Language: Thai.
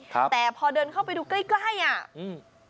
ครับแต่พอเดินเข้าไปดูใกล้ใกล้อ่ะอืม